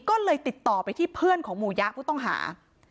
ก็เลยติดต่อไปที่เพื่อนของหมู่ยะผู้ต้องหา